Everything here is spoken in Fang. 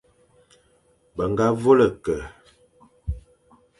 Be ñga vôl-e-ke,